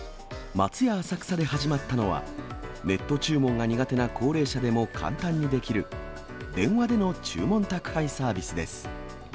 松屋浅草で始まったのは、ネット注文が苦手な高齢者でも簡単にできる、電話での注文宅配サービスです。